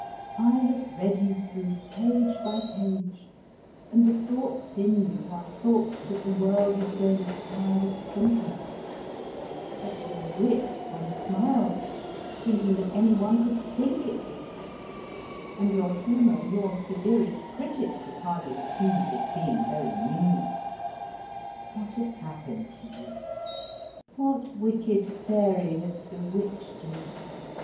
I have read you through, page by page, and the thoughts in you are thoughts that the world has grown tired of thinking ; at your wit one smiles, thinking that anyone could think it wit ; and your humour your severest critic could hardly accuse of being very new. What has happened to you ? What wicked fairy has bewitched you